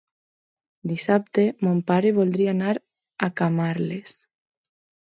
Dissabte mon pare voldria anar a Camarles.